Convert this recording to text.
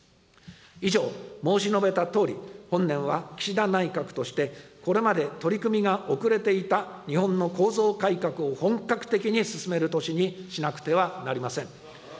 以上、申し述べたとおり、本年は岸田内閣として、これまで取り組みが遅れていた日本の構造改革を本格的に進める年にしなくてはなりません。